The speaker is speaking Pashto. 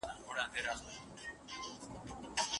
په نفاس کي بايد خاوند او ميرمن جماع ونکړي.